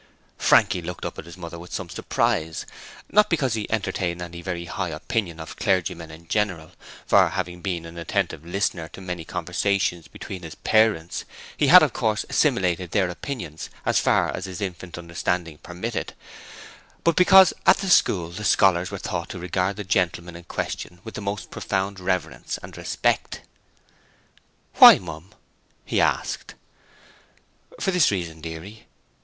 Frankie looked up at his mother with some surprise, not because he entertained any very high opinion of clergymen in general, for, having been an attentive listener to many conversations between his parents, he had of course assimilated their opinions as far as his infant understanding permitted, but because at the school the scholars were taught to regard the gentleman in question with the most profound reverence and respect. 'Why, Mum?' he asked. 'For this reason, dearie.